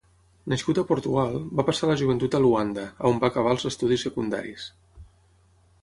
Nascut a Portugal, va passar la joventut a Luanda, on va acabar els estudis secundaris.